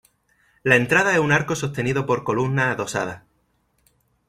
La entrada es un arco sostenido por columnas adosadas.